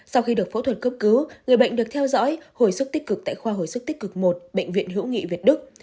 sau khi được phẫu thuật cấp cứu người bệnh được theo dõi hồi sức tích cực tại khoa hồi sức tích cực một bệnh viện hữu nghị việt đức